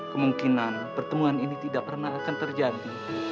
kemungkinan pertemuan ini tidak pernah akan terjadi